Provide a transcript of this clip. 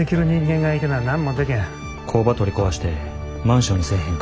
工場取り壊してマンションにせえへんか？